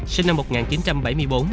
sinh năm một nghìn chín trăm bảy mươi bốn